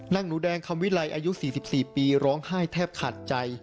นั่งหนูแดงคำวิลัยอายุสี่สิบสี่ปีร้องไห้แทบขาดใจ